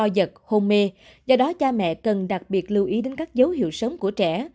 do đó cha mẹ cần đặc biệt lưu ý đến các dấu hiệu sớm của trẻ